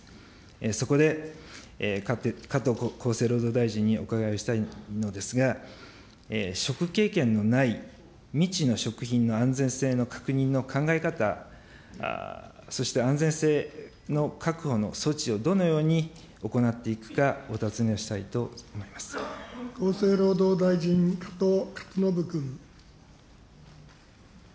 そこで、加藤厚生労働大臣にお伺いをしたいのですが、食経験のない未知の食品の安全性の確認の考え方、そして安全性の確保の措置をどのように行っていくか、厚生労働大臣、加藤勝信君。